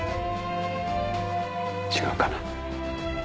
違うかな？